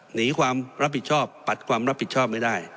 หนีความรับผิดชอบปัดความรับผิดชอบไม่ได้